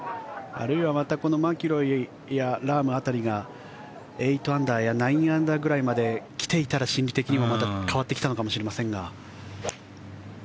あるいはまたこのマキロイやラーム辺りが８アンダーや９アンダーぐらいまで来ていたら心理的にも、また変わってきたのかもしれませんが。